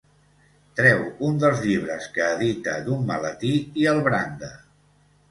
Treu un dels llibres que edita d'un maletí i el branda.